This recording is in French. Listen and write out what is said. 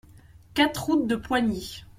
quatre route de Poigny